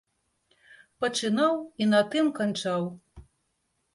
Пачынаў і на тым канчаў.